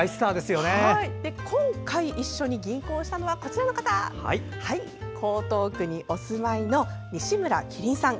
今回、一緒に吟行をしたのは江東区にお住まいの西村麒麟さん。